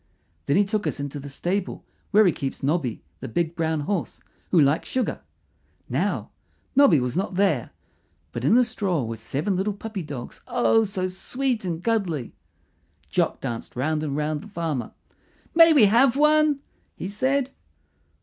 Then he took us into the stable where he keeps Nobby, the big brown horse, who likes sugar. Now Nobby was not there, but in the straw were seven little puppy dogs oh, so sweet and cuddly! Jock danced round and round the farmer. "May we have one?" he said.